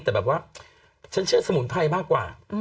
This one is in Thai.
แต่แบบว่าฉันเชื่อสมุนไพรมากกว่า